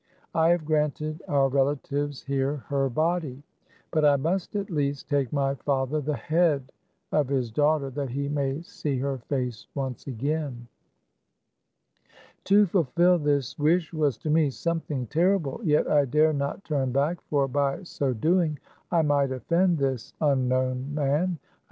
I have granted our relatives here her body ; but I must, at least, take my father the head of his daughter, that he may see her face once again." To fulfill this wish was to me something terrible ; yet I dare not turn back, for by so doing I might offend this unknown man. I THE CAB AVAN.